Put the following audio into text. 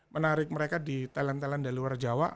menarik mereka di talent talent dari luar jawa